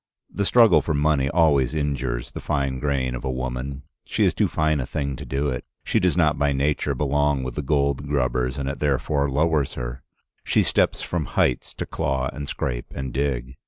The struggle for money always injures the fine grain of a woman; she is too fine a thing to do it; she does not by nature belong with the gold grubbers, and it therefore lowers her; she steps from heights to claw and scrape and dig.